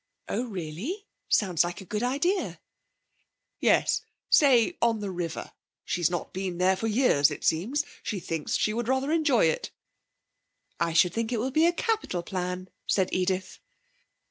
'Oh, really? Sounds a good idea.' 'Yes. Say, on the river. She's not been there for years it seems. She thinks she would rather enjoy it.' 'I should think it would be a capital plan,' said Edith.